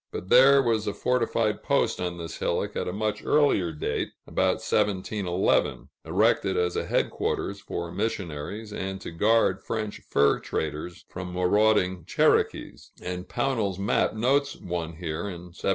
But there was a fortified post on this hillock at a much earlier date (about 1711), erected as a headquarters for missionaries, and to guard French fur traders from marauding Cherokees; and Pownall's map notes one here in 1751.